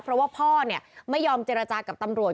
เพราะว่าพ่อไม่ยอมเจรจากับตำรวจ